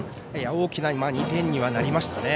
大きな２点にはなりましたね。